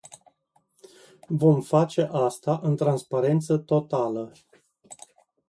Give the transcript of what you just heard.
Vom face asta în transparență totală.